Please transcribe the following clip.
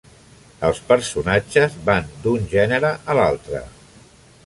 Els personatges van d'un gènere a l'altre.